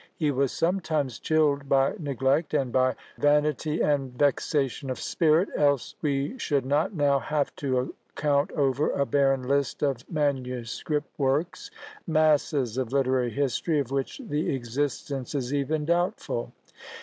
He was sometimes chilled by neglect, and by "vanity and vexation of spirit," else we should not now have to count over a barren list of manuscript works; masses of literary history, of which the existence is even doubtful.